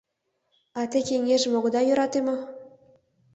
— А те кеҥежым огыда йӧрате мо?